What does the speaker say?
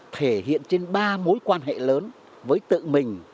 thể hiện trên ba mối quan hệ lớn với tự mình